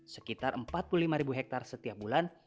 sekitar empat puluh lima ribu hektare setiap bulan